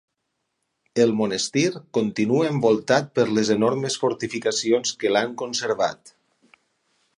El monestir continua envoltat per les enormes fortificacions que l'han conservat.